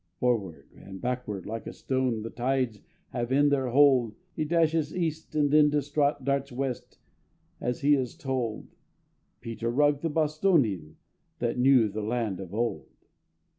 Forward and backward, like a stone The tides have in their hold, He dashes east, and then distraught Darts west as he is told, (Peter Rugg the Bostonian, That knew the land of old!)